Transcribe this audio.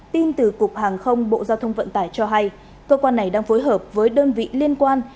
tin từ cục hàng không bộ giao thông vận tải cho hay cơ quan này đang phối hợp với đơn vị liên quan